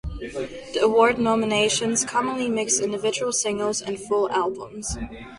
The award nominations commonly mix individual singles and full albums.